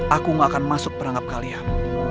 aku gak akan masuk perangkap kalian